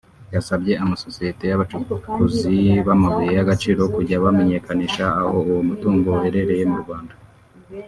yasabye amasosiyete y’abacukuzi b’amabuye y’agaciro kujya bamenyekanisha aho uwo mutungo uherereye mu Rwanda